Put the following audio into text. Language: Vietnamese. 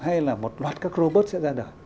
hay là một loạt các robot sẽ ra đời